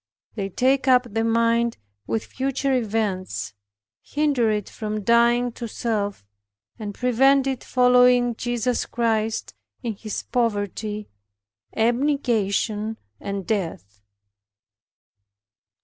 They take up the mind with future events, hinder it from dying to self, and prevent it following Jesus Christ in His poverty, abnegation, and death.